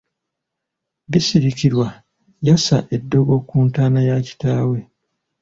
Bisirikirwa yassa eddogo ku ntaana ya kitaawe.